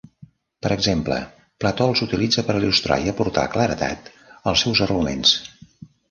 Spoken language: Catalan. Per exemple, Plató els utilitza per il·lustrar i aportar claredat als seus arguments.